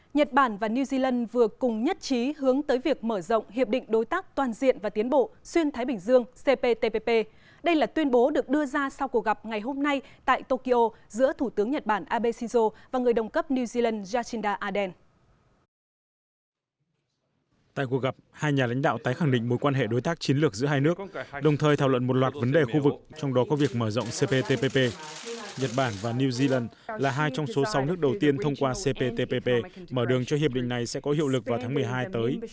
nhật bản và new zealand là hai trong số sáu nước đầu tiên thông qua cptpp mở đường cho hiệp định này sẽ có hiệu lực vào tháng một mươi hai tới